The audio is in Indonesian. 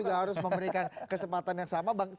juga harus memberikan kesempatan yang sama